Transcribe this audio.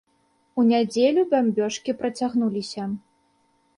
У нядзелю бамбёжкі працягнуліся.